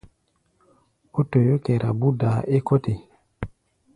Ó toyó kɛra búdaa é kɔ́ te.